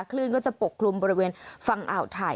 คลื่นก็จะปกคลุมบริเวณฝั่งอ่าวไทย